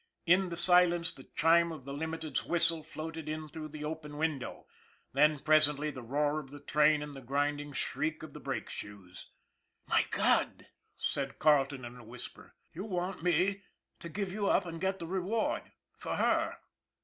In the silence the chime of the Limited's whistle floated in through the open window, then, presently, the roar of the train and the grinding shriek of the brake shoes. " My God," said Carleton in a whisper, " you want me to give you up and get the reward for her